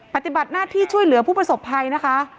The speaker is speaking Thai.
ปฏิบัติหน้าที่ช่วยเหลือผู้ประสบภัยนะคะ